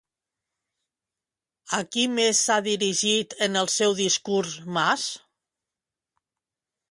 A qui més s'ha dirigit, en el seu discurs, Mas?